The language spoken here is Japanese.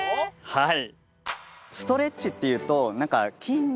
はい。